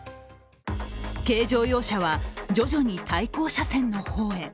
軽乗用車は徐々に対向車線の方へ。